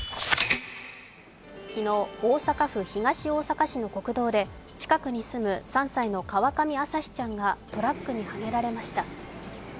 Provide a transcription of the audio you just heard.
昨日、大阪府東大阪市の国道で近くに住む３歳の川上朝輝ちゃんがトラックにはねられました。